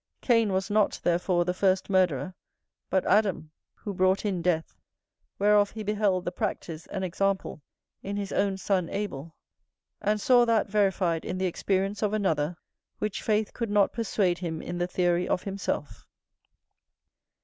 Cain was not therefore the first murderer, but Adam, who brought in death; whereof he beheld the practice and example in his own son Abel; and saw that verified in the experience of another which faith could not persuade him in the theory of himself.